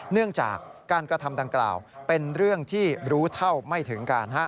เนื่องจากการกระทำดังกล่าวเป็นเรื่องที่รู้เท่าไม่ถึงการ